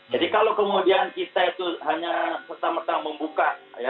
jadi kalau kemudian kita itu hanya